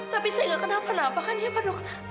tapi saya nggak kenapa napakan ya pak dokter